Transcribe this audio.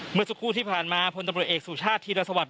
เมื่อสักครู่ที่ผ่านมาพลตำรวจเอกสุชาติธีรสวรร